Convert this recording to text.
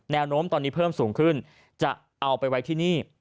แนวโน้มตอนนี้เพิ่มสูงขึ้นจะเอาไปไว้ที่นี่